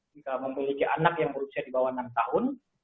jika memiliki anak yang berusia di bawah enam tahun